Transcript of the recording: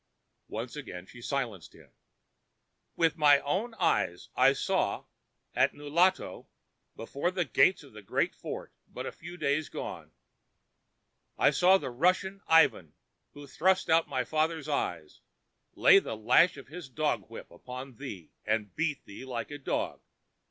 Once again she silenced him. "With my own eyes I saw, at Nulato, before the gates of the great fort, and but few days gone. I saw the Russian, Ivan, who thrust out my father's eyes, lay the lash of his dog whip upon thee and beat thee like a dog.